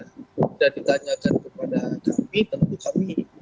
tidak ditanyakan kepada kami tentu kami menyampaikan